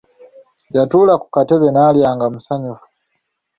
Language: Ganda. Yatuula ku katebe naalya nga musanyufu.